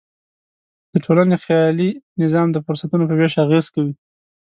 د ټولنې خیالي نظام د فرصتونو په وېش اغېز کوي.